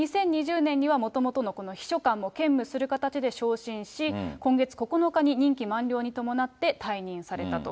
２０２０年にはもともとの秘書官も兼務する形で昇進し、今月９日に任期満了に伴って退任されたと。